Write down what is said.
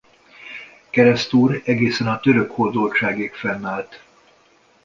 Keresztúr egészen a török hódoltságig fennállt.